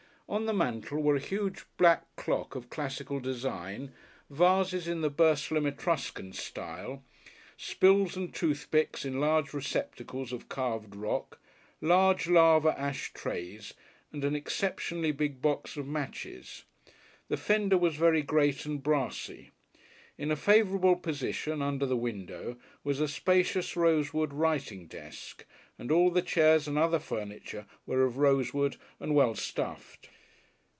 On the mantel were a huge black clock of classical design, vases in the Burslem Etruscan style, spills and toothpicks in large receptacles of carved rock, large lava ash trays and an exceptionally big box of matches. The fender was very great and brassy. In a favourable position, under the window, was a spacious rosewood writing desk, and all the chairs and other furniture were of rosewood and well stuffed.